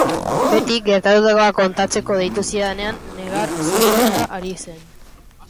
Bettyk gertatutakoa kontatzeko deitu zidanean, negar-zotinka ari zen.